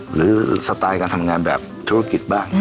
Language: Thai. สไตล์การทำงานแบบธุรกิจบ้าง